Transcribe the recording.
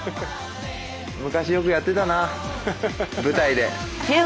昔よくやってたな舞台で。